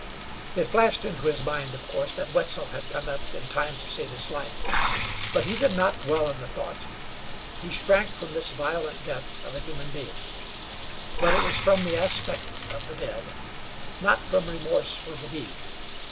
It flashed into his mind, of course, that Wetzel had come up in time to save his life, but he did not dwell on the thought; he shrank from this violent death of a human being. But it was from the aspect of the dead, not from remorse for the deed.